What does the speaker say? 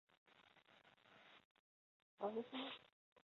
黄山上遍布的摩崖石刻也展现了黄山的文化方面。